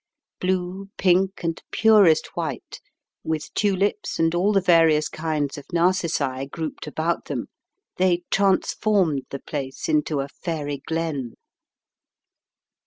Blue, pink and purest white, with tulips and all the various kinds of narcissi grouped about them they trans formed the place into a fairy glen.